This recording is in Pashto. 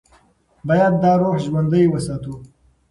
باید دا روح ژوندۍ وساتو.